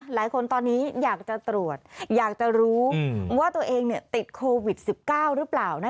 หลายคนตอนนี้อยากจะตรวจอยากจะรู้ว่าตัวเองติดโควิด๑๙หรือเปล่า